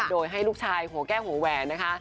โดยให้ลูกชายหัวแก้วหัวแหวนนะคะ